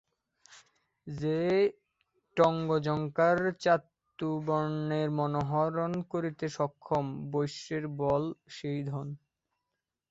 যে টঙ্কঝঙ্কার চাতুর্বর্ণ্যের মনোহরণ করিতে সক্ষম, বৈশ্যের বল সেই ধন।